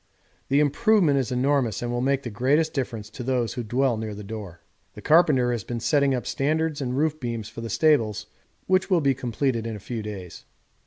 The improvement is enormous and will make the greatest difference to those who dwell near the door. The carpenter has been setting up standards and roof beams for the stables, which will be completed in a few days.